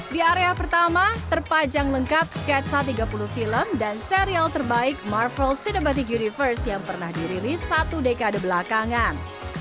di area pertama terpajang lengkap sketsa tiga puluh film dan serial terbaik marvel cinematic universe yang pernah dirilis satu dekade belakangan